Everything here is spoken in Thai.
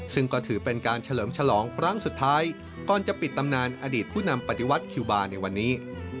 ซึ่งก็ถือเป็นการเฉลิมฉลองครั้งสุดท้ายก่อนจะปิดตำนานอดีตผู้นำปฏิวัติคิวบาร์ในวันนี้